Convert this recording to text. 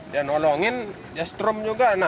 dia nolongin ya strom juga